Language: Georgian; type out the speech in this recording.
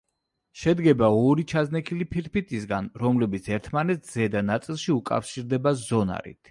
შედგება ორი ჩაზნექილი ფირფიტისაგან, რომლებიც ერთმანეთს ზედა ნაწილში უკავშირდება ზონარით.